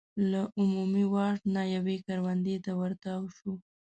له عمومي واټ نه یوې کروندې ته ور تاو شو.